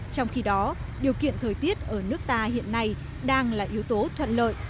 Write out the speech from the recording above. trong khi đó điều kiện thời tiết ở nước ta hiện nay đang là yếu tố thuận lợi